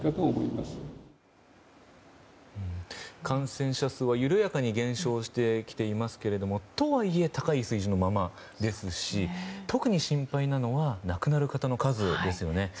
感染者数は緩やかに減少してきていますがとはいえ高い水準のままですし特に心配なのが亡くなる方の数ですよね。